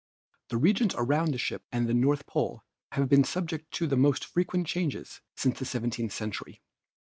The regions around the Ship and the North Pole have been subject to the most frequent changes since the seventeenth century.